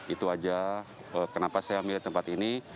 itu aja kenapa saya memilih tempat ini